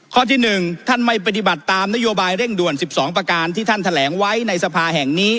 ข้อที่๑ท่านไม่ปฏิบัติตามนโยบายเร่งด่วน๑๒ประการที่ท่านแถลงไว้ในสภาแห่งนี้